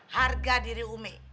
harga diri umi